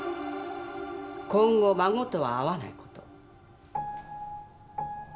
今後孫とは会わないこと。